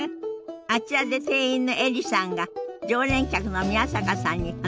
あちらで店員のエリさんが常連客の宮坂さんに話しかけてるわね。